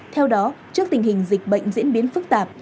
theo đó trước tình hình dịch bệnh diễn biến phức tạp